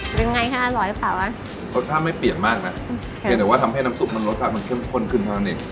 เป็นไงคะอร่อยขาวอ่ะรสชาติไม่เปลี่ยนมากนะเพียงแต่ว่าทำให้น้ำซุปมันรสชาติมันเข้มข้นขึ้นเท่านั้นเอง